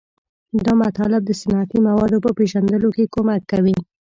دا مطالب د صنعتي موادو په پیژندلو کې کومک کوي.